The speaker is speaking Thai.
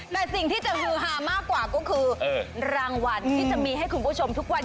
แต่สิ่งที่จะฮือฮามากกว่าก็คือรางวัลที่จะมีให้คุณผู้ชมทุกวัน